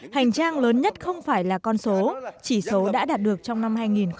hành trang lớn nhất không phải là con số chỉ số đã đạt được trong năm hai nghìn một mươi tám